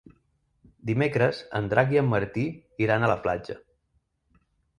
Dimecres en Drac i en Martí iran a la platja.